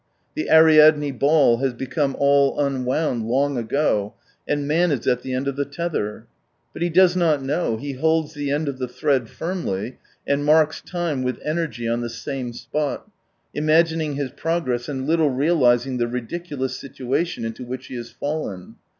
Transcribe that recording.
The Ariadne ball has become all unwound long ago, and man is at the end of the tether. But he does not know, he holds the end of the thread firmly, and marks time with energy on the same spot, imagining his progress, and little realising the ridiculous situation into which he has fallen.